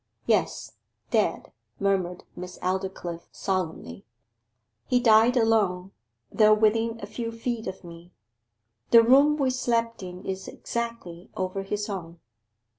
'Yes, dead,' murmured Miss Aldclyffe solemnly. 'He died alone, though within a few feet of me. The room we slept in is exactly over his own.